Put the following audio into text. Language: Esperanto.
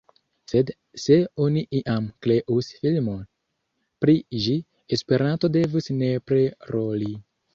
Sed se oni iam kreus filmon pri ĝi, Esperanto devus nepre roli.